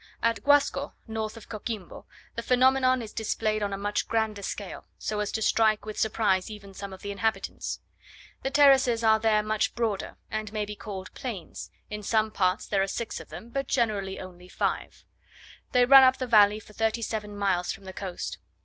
At Guasco, north of Coquimbo, the phenomenon is displayed on a much grander scale, so as to strike with surprise even some of the inhabitants. The terraces are there much broader, and may be called plains, in some parts there are six of them, but generally only five; they run up the valley for thirty seven miles from the coast.